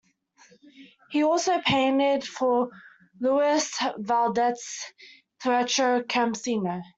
He also painted for Luis Valdez's Teatro Campesino.